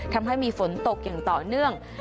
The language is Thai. ทำให้มีฝนตกอย่างต่อเนื่อง